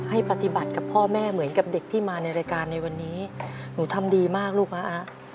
ให้ปฏิบัติกับพ่อแม่เหมือนกับเด็กที่มาในรายการในวันนี้หนูทำดีมากลูกนะ